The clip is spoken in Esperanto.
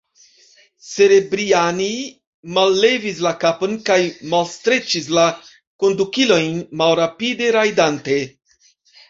Serebrjanij mallevis la kapon kaj malstreĉis la kondukilojn, malrapide rajdante.